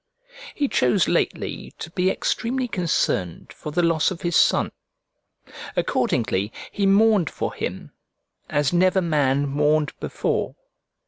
He chose lately to be extremely concerned for the loss of his son: accordingly he mourned for him as never man mourned before.